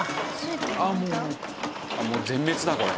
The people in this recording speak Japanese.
もう全滅だこれ。